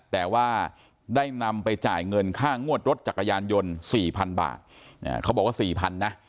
แต่ว่าได้นำไปจ่ายเงินค่างวดรถจักรยานยนต์๔๐๐๐บาทเขาบอกว่า๔๐๐นะ